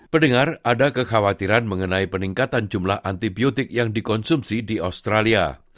pendengar ada kekhawatiran mengenai peningkatan jumlah antibiotik yang dikonsumsi di australia